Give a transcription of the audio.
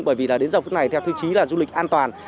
bởi vì đến dòng phút này theo thư chí là du lịch an toàn